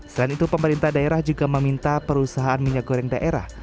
selain itu pemerintah daerah juga meminta perusahaan minyak goreng daerah